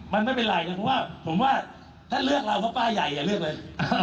มันไม่เป็นไรนะผมว่าถ้าเลือกเราก็ป้ายใหญ่เลือกเลย